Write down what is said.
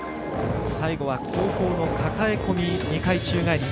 最後は後方のかかえ込み２回宙返り。